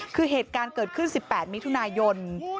คือเหตุการณ์เกิดขึ้น๑๘มิถุนายน